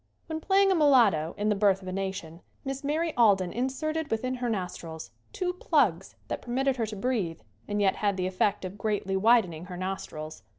When playing a mulatto in "The Birth of a Nation" Miss Mary Alden inserted within her nostrils two plugs that permitted her to breathe and yet had the effect of greatly widening her nostrils.